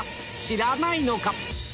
知らないのか？